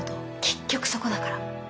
結局そこだから。